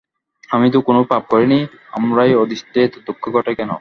আমি তো কোনো পাপ করি নি, আমারই অদৃষ্টে এত দুঃখ ঘটে কেন।